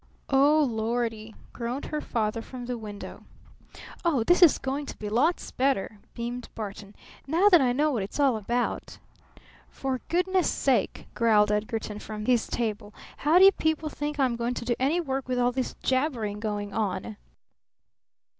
"Oh Lordy!" groaned her father from the window. "Oh, this is going to be lots better!" beamed Barton. "Now that I know what it's all about " "For goodness' sake," growled Edgarton from his table, "how do you people think I'm going to do any work with all this jabbering going on!"